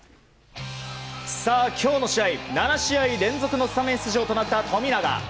今日の試合、７試合連続のスタメン出場となった富永。